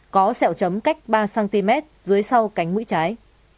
có sẹo chấm cách ba cm dưới sau cánh mũi trái